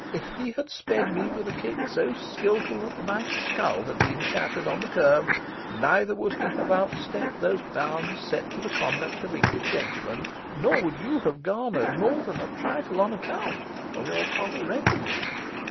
If he had sped me with a kick so skilful that my skull had been shattered on the kerb, neither would he have outstepped those bounds set to the conduct of English gentlemen, nor would you have garnered more than a trifle on account of your proper reckoning.